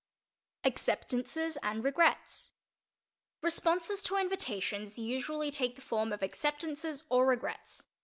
_ ACCEPTANCES AND REGRETS Responses to invitations usually take the form of "acceptances" or "regrets."